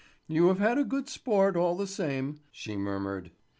"You have had good sport, all the same," she murmured.